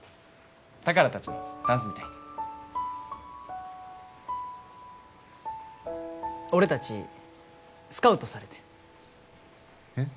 宝達のダンスみたいに俺達スカウトされてんえっ？